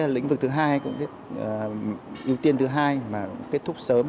lĩnh vực thứ hai cũng ưu tiên thứ hai mà kết thúc sớm